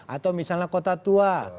atau misalnya kota tua